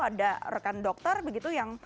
ada rekan dokter begitu yang